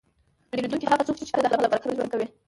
پیرودونکی هغه څوک دی چې ته د هغه له برکته ژوند کوې.